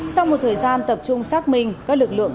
sau một thời gian tập trung xác minh các lực lượng